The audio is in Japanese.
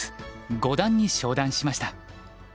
五段に昇段しました。